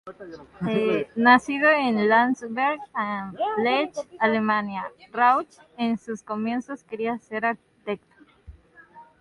Nacido en Landsberg am Lech, Alemania, Rauch en sus comienzos quería ser arquitecto.